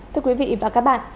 thưa quý vị và các bạn